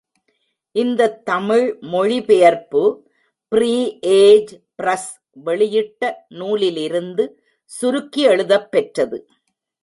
இந்தத் தமிழ் மொழிபெயர்ப்பு free age press வெளியிட்ட நூலிலிருந்து சுருக்கி எழுதப் பெற்றது.